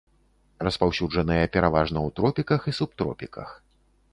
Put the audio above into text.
Распаўсюджаныя пераважна ў тропіках і субтропіках.